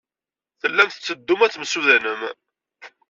Tellam tetteddum ad temsudanem?